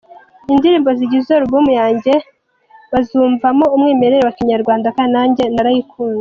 Indirimbo zigize alubumu yanjye bzaumvamo umwimerere wa Kinyarwanda kandi nanjye narayikunze.